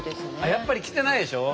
やっぱり来てないでしょ？